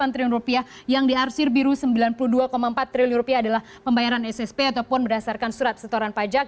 delapan triliun rupiah yang diarsir biru sembilan puluh dua empat triliun rupiah adalah pembayaran ssp ataupun berdasarkan surat setoran pajak